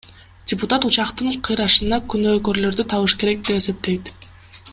Депутат учактын кыйрашына күнөөкөрлөрдү табыш керек деп эсептейт.